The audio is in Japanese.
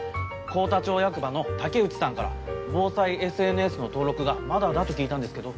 幸田町役場の竹内さんから防災ＳＮＳの登録がまだだと聞いたんですけど。